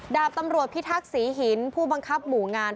ดาบตำรวจพิทักษีหินผู้บังคับหมู่งาน